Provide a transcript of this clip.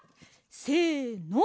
せの！